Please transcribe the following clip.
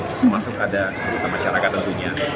termasuk ada anggota masyarakat tentunya